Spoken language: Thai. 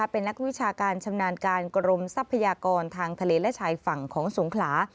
เป็นนักวิชาการชำนาญการกรมทรัพยากรทางทะเลและชายฝั่งของสงขลา